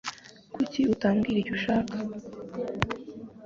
Kuki utambwira icyo ushaka